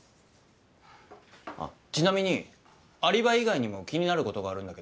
あっちなみにアリバイ以外にも気になることがあるんだけど。